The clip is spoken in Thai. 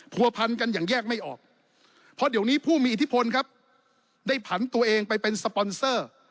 ผัวพันกันอย่างแยกไม่ออกเพราะเดี๋ยวนี้ผู้มีอิทธิพลครับได้ผันตัวเองไปเป็นสปอนเซอร์